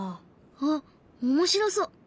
あっ面白そう。